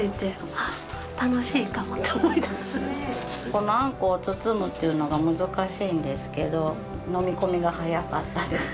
このあんこを包むっていうのが難しいんですけどのみ込みが早かったですね。